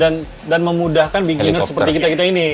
seperti itu dan memudahkan beginner seperti kita kita ini